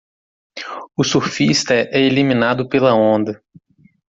O surfista é eliminado pela onda.